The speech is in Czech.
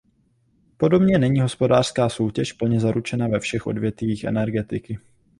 Podobně není hospodářská soutěž plně zaručena ve všech odvětvích energetiky.